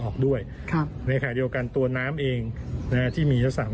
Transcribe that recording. ออกด้วยครับในแขดีโอกาสตัวน้ำเองนะฮะที่มีลักษณะของ